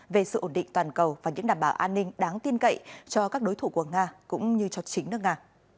về sự ổn định toàn cầu và những đảm bảo an ninh đáng tin cậy cho các đối thủ của nga cũng như cho chính nước nga